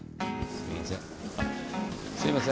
すいません。